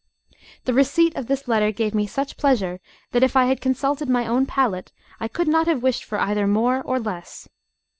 The receipt of this letter gave me such pleasure that, If I had consulted my own palate, I could not have wished for either more or less.